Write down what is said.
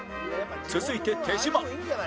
続いて手島